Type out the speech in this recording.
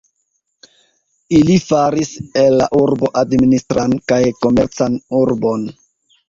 Ili faris el la urbo administran kaj komercan urbon.